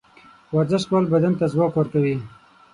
ورزش کول بدن ته ځواک ورکوي.